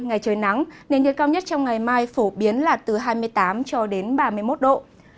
ngày trời nắng nền nhiệt cao nhất trong ngày mai phổ biến là từ hai mươi tám cho đến ba mươi một độ